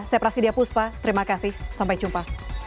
saya prasidya puspa terima kasih sampai jumpa